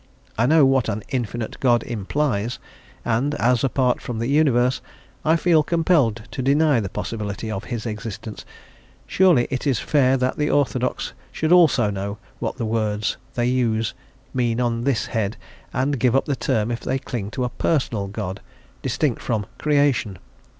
I know what "an infinite God" implies, and, as apart from the universe, I feel compelled to deny the possibility of his existence; surely it is fair that the orthodox should also know what the words they use mean on this head, and give up the term if they cling to a "personal" God, distinct from "creation."